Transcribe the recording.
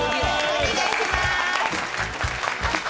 お願いします。